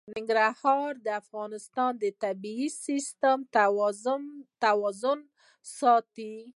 ننګرهار د افغانستان د طبعي سیسټم توازن ساتي.